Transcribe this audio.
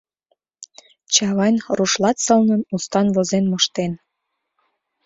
Чавайн рушлат сылнын, устан возен моштен.